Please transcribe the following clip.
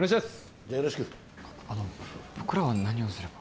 ・じゃあよろしくあの僕らは何をすれば？